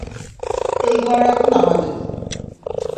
এই ঘর এখন আমাদের।